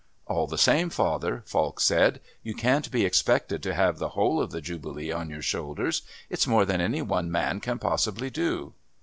"All the same, father," Falk said, "you can't be expected to have the whole of the Jubilee on your shoulders. It's more than any one man can possibly do."